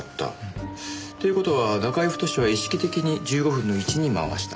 という事は中居太は意識的に１５分の位置に回した。